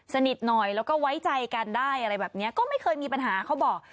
สนิทหน่อยแล้วก็ไว้ใจกันได้อะไรแบบนี้ก็ไม่เคยมีปัญหาเขาบอก